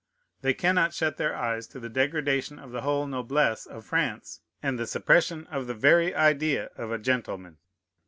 They cannot shut their eyes to the degradation of the whole noblesse of France, and the suppression of the very idea of a gentleman.